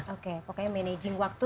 oke pokoknya managing waktu